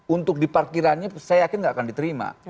untuk di parkirannya saya yakin tidak akan diterima